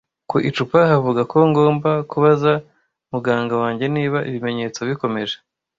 Ku icupa havuga ko ngomba kubaza muganga wanjye niba ibimenyetso bikomeje.